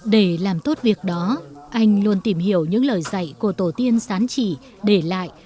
để làm tốt việc đó anh luôn tìm hiểu những lời dạy của tổ tiên sán chỉ để lại